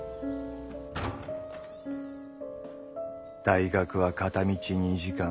大学は片道２時間。